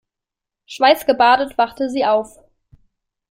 Schweißgebadet wachte sie auf.